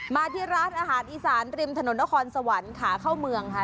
มาที่ร้านอาหารอีสานริมถนนนครสวรรค์ขาเข้าเมืองค่ะ